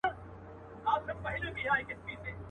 چي دي غوښتل هغه تللي دي له وخته.